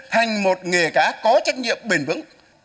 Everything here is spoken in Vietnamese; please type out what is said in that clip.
thành một nghề cá có trách nhiệm bền vững